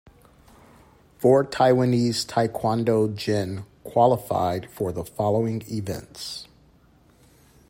Four Taiwanese taekwondo jin qualified for the following events.